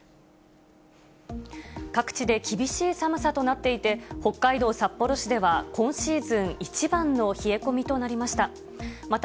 各地で厳しい寒さとなっていて、北海道札幌市では今シーズン一番の冷え込みとなりました。